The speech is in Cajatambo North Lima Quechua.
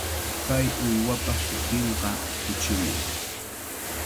Kay uywapa hutinqa kuchimi.